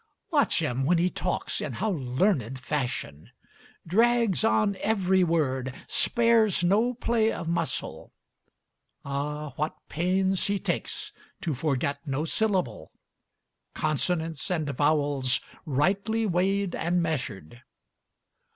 Watch him, when he talks, in how learned fashion! Drags on every word, spares no play of muscle. Ah, what pains he takes to forget no syllable Consonants and vowels rightly weighed and measured.